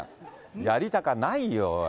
やりたかないよ。